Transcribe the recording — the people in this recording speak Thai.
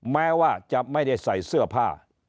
แม้ว่าจะไม่ได้ใส่เสื้อผ้า